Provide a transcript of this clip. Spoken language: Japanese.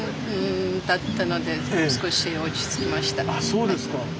そうですか。